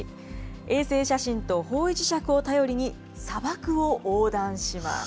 衛星写真と方位磁石を頼りに砂漠を横断します。